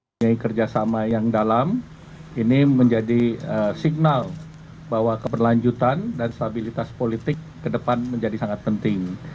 punya kerjasama yang dalam ini menjadi signal bahwa keberlanjutan dan stabilitas politik ke depan menjadi sangat penting